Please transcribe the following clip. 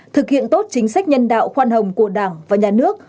thực hiện tốt chính sách nhân đạo khoan hồng của đảng và nhà nước